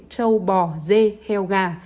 trâu bò dê heo gà